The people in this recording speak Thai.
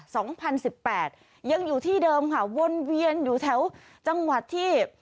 สองพันสิบแปดยังอยู่ที่เดิมค่ะวนเวียนอยู่แถวจังหวัดที่